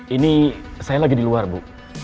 ini saya lagi di luar bu